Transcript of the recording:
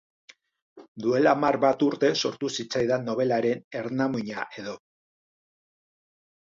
Duela hamar bat urte sortu zitzaidan nobelaren ernamuina-edo.